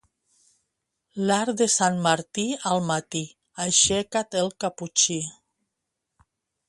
L'arc de sant Martí al matí, aixeca't el caputxí.